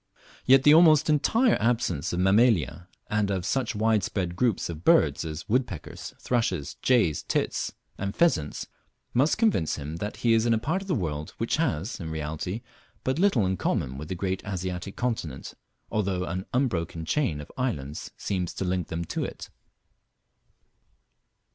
Yet the almost entire absence of Mammalia, and of such wide spread groups of birds as woodpeckers, thrushes, jays, tits, and pheasants, must convince him that he is in a part of the world which has, in reality but little in common with the great Asiatic continent, although an unbroken chain of islands seems to link them to it.